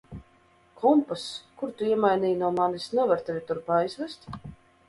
Kompass, kuru tu iemainīji no manis, nevar tevi turp aizvest?